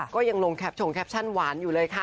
ก็ยังลงแคปชงแคปชั่นหวานอยู่เลยค่ะ